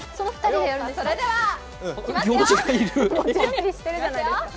それではいきますよ。